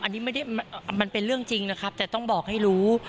อันนี้ไม่ได้มันเป็นเรื่องจริงนะครับแต่ต้องบอกให้รู้